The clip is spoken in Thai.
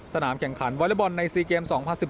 สนามแข่งขันวอเลเบิ้ลในซีเกม๒๐๑๙